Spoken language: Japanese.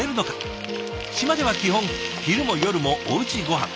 島では基本昼も夜もおうちごはん。